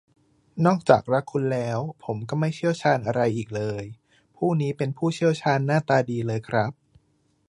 นอกจากรักคุณแล้ว ผมก็ไม่เชี่ยวชาญอะไรอีกเลย ผู้นี้เป็นผู้เชี่ยวชาญหน้าตาดีเลยครับ